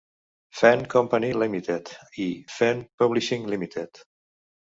Fenn Company Limited i Fenn Publishing Limited.